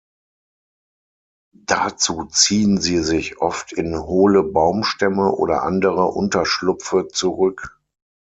Dazu ziehen sie sich oft in hohle Baumstämme oder andere Unterschlupfe zurück.